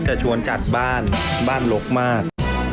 จะชวนจัดบ้านบ้านลกมาก